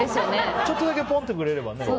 ちょっとだけポンとくれれば。